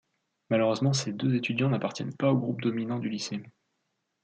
Malheureusement, ces deux étudiants n'appartiennent pas aux groupes dominants du lycée.